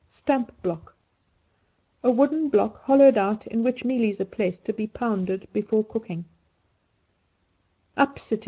Stamp block A wooden block, hollowed out, in which mealies are placed to be pounded before being cooked.